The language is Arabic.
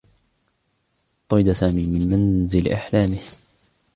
طُرد سامي من منزل أحلامه.